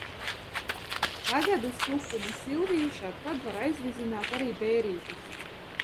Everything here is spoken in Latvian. Tagad uz Tukumu Silviju šad tad var aizvizināt arī Bērītis.